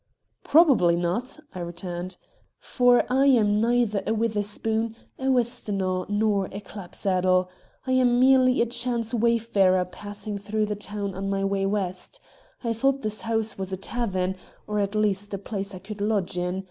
"Probably not," I returned, "for I am neither a Witherspoon, a Westonhaugh nor a Clapsaddle. I am merely a chance wayfarer passing through the town on my way west. I thought this house was a tavern, or at least a place I could lodge in.